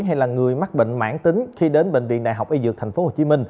hay là người mắc bệnh mãn tính khi đến bệnh viện đại học y dược tp hcm